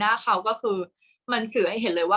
กากตัวทำอะไรบ้างอยู่ตรงนี้คนเดียว